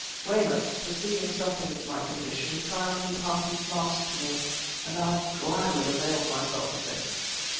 Weymouth, perceiving something of my condition, silently passed his flask to me; and I gladly availed myself of this.